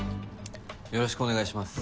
よろしくお願いします。